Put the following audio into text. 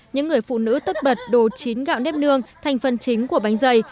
những người phụ nữ tất bật đồ chín gạo nếp nương thành phần chính của bánh dày